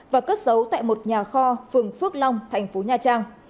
và cất giấu tại một nhà kho phường phước long tp nha trang